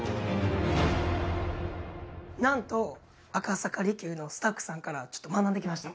なんと赤坂璃宮のスタッフさんからちょっと学んできました。